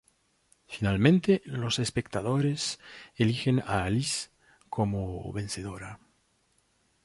Finalmente, los espectadores eligen a Alice como vencedora.